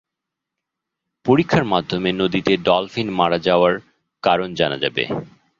পরীক্ষার মাধ্যমে নদীতে ডলফিন মারা যাওয়ার কারণ জানা যাবে।